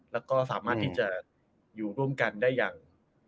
แล้วก็สามารถที่จะอยู่ร่วมกันได้อย่าง